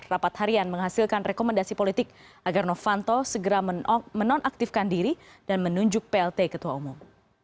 rapat harian menghasilkan rekomendasi politik agar novanto segera menonaktifkan diri dan menunjuk plt ketua umum